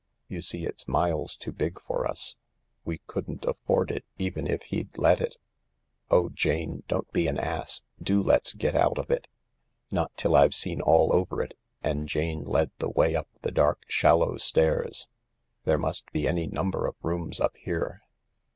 You see it 's miles too big for us — we couldn't afford it even if he'd let it. Oh, Jane, don't be an ass — do let's get out of it !"" Not till I've seen all over it "; and Jane led the way up the dark, shallow stairs. " There must be any number of rooms up here."